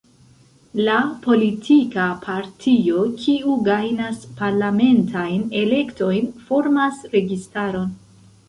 La politika partio, kiu gajnas parlamentajn elektojn, formas registaron.